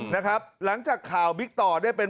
นะครับหลังจากข่าวบิ๊กต่อได้เป็น